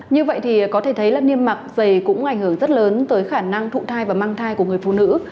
như vậy thì có thể thấy là niêm mạc dày cũng ảnh hưởng rất lớn tới khả năng thụ thai và mang thai của người phụ nữ